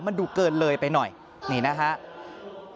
มันดูเกินเลยไปหน่อยนี่นะครับ